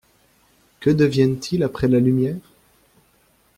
Que deviennent-ils après la lumière?